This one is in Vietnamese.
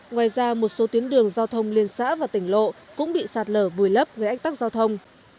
ngoài ra một số tuyến đường giao thông liên xã và tỉnh lộ cũng bị sạt lở vùi lấp gây ách tắc giao thông